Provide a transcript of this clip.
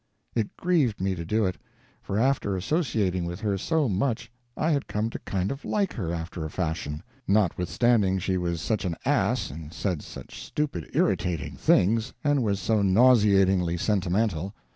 It grieved me to do it, for after associating with her so much I had come to kind of like her after a fashion, notwithstanding she was such an ass and said such stupid irritating things and was so nauseatingly sentimental.